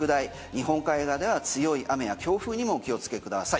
日本海側では強い雨や強風にも気をつけてください。